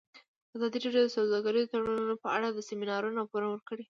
ازادي راډیو د سوداګریز تړونونه په اړه د سیمینارونو راپورونه ورکړي.